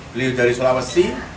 beliau dari sulawesi